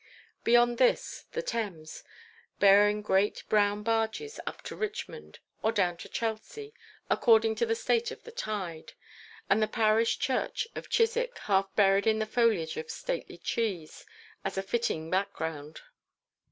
Beyond this, the Thames, bearing great brown barges up to Richmond or down to Chelsea, according to the state of the tide; and the Parish Church of Chiswick, half buried in the foliage of stately trees, as a fitting background.